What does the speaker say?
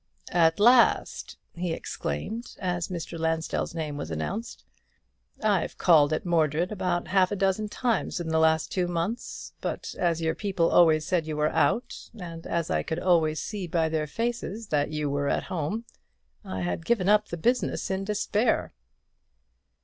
"At last!" he exclaimed, as Mr. Lansdell's name was announced. "I've called at Mordred about half a dozen times within the last two months; but as your people always said you were out, and as I could always see by their faces that you were at home, I have given up the business in despair."